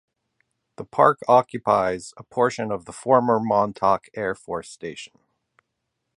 The park occupies a portion of the former Montauk Air Force Station.